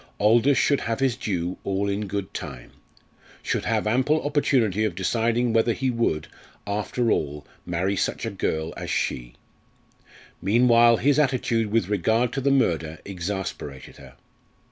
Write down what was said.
Aldous should have his due all in good time should have ample opportunity of deciding whether he would, after all, marry such a girl as she. Meanwhile his attitude with regard to the murder exasperated her.